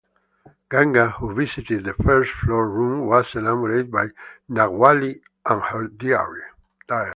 Ganga who visited the first floor room was enamoured by Nagavalli and her diary.